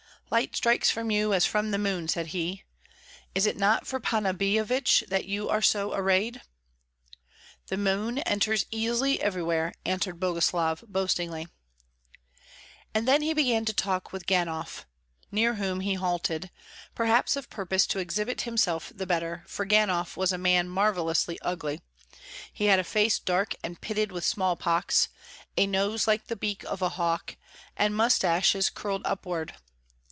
"Light strikes from you as from the moon," said he. "Is it not for Panna Billevich that you are so arrayed?" "The moon enters easily everywhere," answered Boguslav, boastingly. And then he began to talk with Ganhoff, near whom he halted, perhaps of purpose to exhibit himself the better, for Ganhoff was a man marvellously ugly; he had a face dark and pitted with small pox, a nose like the beak of a hawk, and mustaches curled upward.